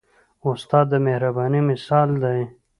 استاد د مهربانۍ مثال دی.